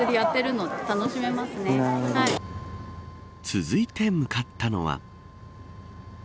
続いて向かったのは。